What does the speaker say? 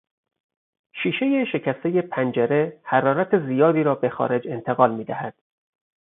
شیشهی شکستهی پنجره حرارت زیادی را به خارج انتقال میدهد.